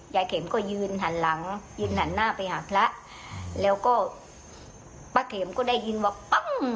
เข็มก็ยืนหันหลังยืนหันหน้าไปหาพระแล้วก็ป้าเข็มก็ได้ยินว่าปั้ง